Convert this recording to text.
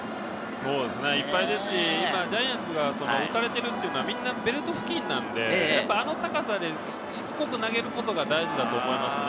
いっぱいですし、ジャイアンツが打たれているのはみんなベルト付近なんで、あの高さでしつこく投げることが大事だと思いますね。